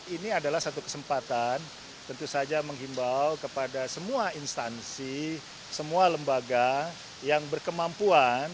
ini adalah satu kesempatan tentu saja menghimbau kepada semua instansi semua lembaga yang berkemampuan